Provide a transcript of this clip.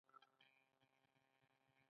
مصنوعي ځیرکتیا د ګډ عقل تصور رامنځته کوي.